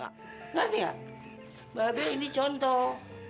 ngerti enggak mbak bebe ini contoh